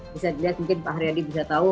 bisa dilihat mungkin pak haryadi bisa tahu